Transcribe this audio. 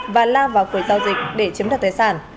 và lao vào khuấy giao dịch để chiếm đoạt tài sản